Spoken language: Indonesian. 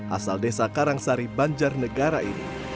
asal desa karangsari banjarnegara ini